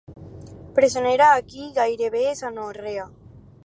Presonera a qui gairebé s'anorrea.